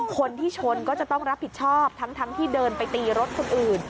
คนที่ชนก็จะต้องรับผิดชอบทั้งที่เดินไปตีรถคนอื่น